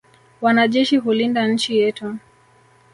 Wanajeshi hulinda nchi yetu.